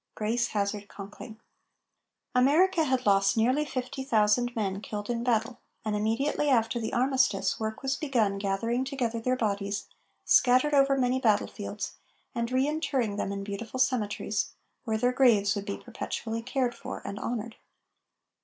GRACE HAZARD CONKLING. America had lost nearly fifty thousand men killed in battle, and immediately after the armistice, work was begun gathering together their bodies, scattered over many battlefields, and re interring them in beautiful cemeteries, where their graves would be perpetually cared for and honored.